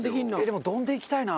でも丼でいきたいな。